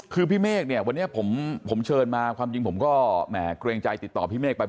คือพี่เมฆเนี่ยวันนี้ผมเชิญมาความจริงผมก็แหมเกรงใจติดต่อพี่เมฆไป